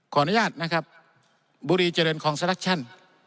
ขออนุญาตนะครับบุรีเจริญคองสลักชั่น